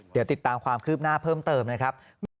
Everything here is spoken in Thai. เดี๋ยวติดตามความคืบหน้าเพิ่มเติมนะครับ